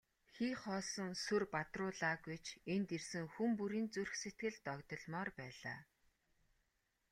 Хий хоосон сүр бадруулаагүй ч энд ирсэн хүн бүрийн зүрх сэтгэл догдолмоор байлаа.